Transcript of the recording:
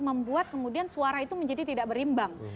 membuat kemudian suara itu menjadi tidak berimbang